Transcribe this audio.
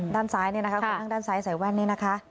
ด้านซ้ายเนี่ยนะคะคนนั่งด้านซ้ายใส่แว่นนี่นะคะ